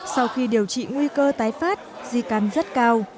sau khi điều trị nguy cơ tái phát di cắn rất cao